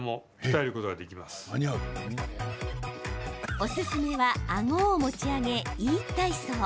おすすめは、あご持ち上げＥ体操。